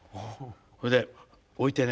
それで置いてね。